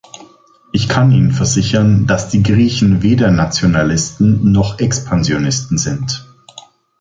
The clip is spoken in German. Ich kann Ihnen versichern, dass die Griechen weder Nationalisten noch Expansionisten sind.